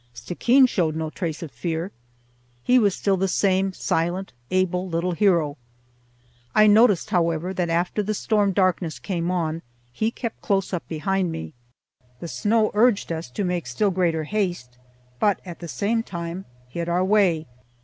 Stickeen showed no trace of fear. He was still the same silent, able little hero. I noticed, however, that after the storm darkness came on he kept close up behind me. The snow urged us to make still greater haste, but at the same time hid our way.